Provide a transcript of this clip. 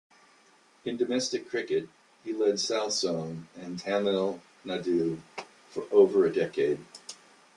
In domestic cricket, he led South Zone and Tamil Nadu for over a decade.